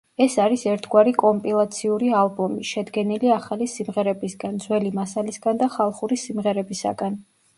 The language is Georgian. ეს არის ერთგვარი კომპილაციური ალბომი, შედგენილი ახალი სიმღერებისგან, ძველი მასალისგან და ხალხური სიმღერებისაგან.